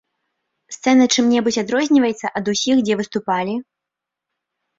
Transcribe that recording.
Сцэна чым-небудзь адрозніваецца ад усіх, дзе выступалі?